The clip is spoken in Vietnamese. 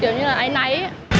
kiểu như là ái náy